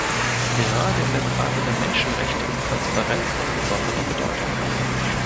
Gerade in der Frage der Menschenrechte ist Transparenz von besonderer Bedeutung.